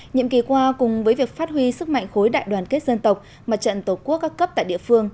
nhiệm kỳ qua cùng với việc phát huy sức mạnh khối đại đoàn kết dân tộc mặt trận tổ quốc các cấp tại địa phương